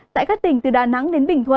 sau đó sẽ tăng nhẹ trong hai ngày tiếp theo